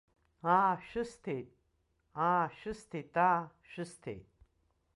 Аа шәысҭеит, аа шәысҭеит, аа шәысҭеит!